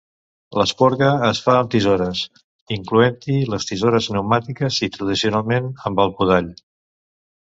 L'esporga es fa amb tisores --incloent-hi les tisores pneumàtiques-- i, tradicionalment, amb el podall.